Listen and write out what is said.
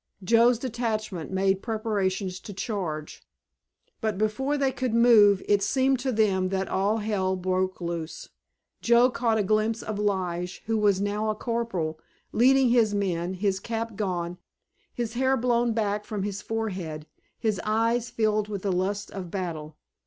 Joe's detachment made preparations to charge. But before they could move it seemed to them that all hell broke loose. Joe caught a glimpse of Lige, who was now a corporal, leading his men, his cap gone, his hair blown back from his forehead, his eyes filled with the lust of battle.